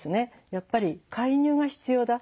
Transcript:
やっぱり介入が必要だ。